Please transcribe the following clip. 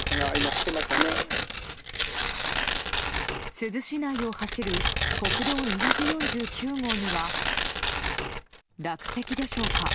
珠洲市内を走る国道２４９号には落石でしょうか。